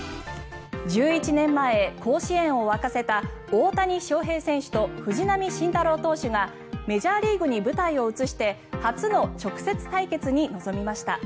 １１年前、甲子園を沸かせた大谷翔平選手と藤浪晋太郎投手がメジャーリーグに舞台を移して初の直接対決に臨みました。